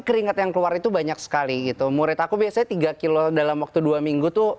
keringat yang keluar itu banyak sekali gitu murid aku biasanya tiga kilo dalam waktu dua minggu tuh